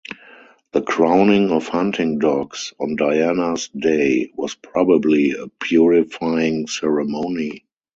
The crowning of hunting dogs on Diana's day was probably a purifying ceremony.